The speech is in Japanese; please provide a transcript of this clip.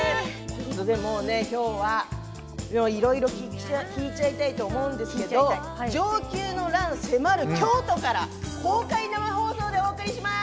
でも、今日はいろいろ聞いちゃいたいと思うんですけれども承久の乱迫る京都から公開生放送でお送りします。